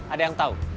ada yang tahu